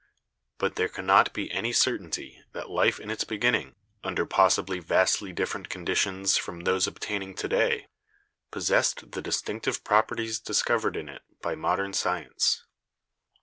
But there cannot be any certainty that life in its beginning, under possibly vastly different conditions from those obtaining to day, possessed the distinctive properties discovered in it by modern science.